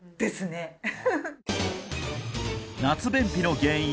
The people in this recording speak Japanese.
夏便秘の原因